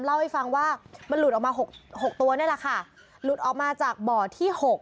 เล่าให้ฟังว่ามันหลุดออกมาหกหกตัวนี่แหละค่ะหลุดออกมาจากบ่อที่หก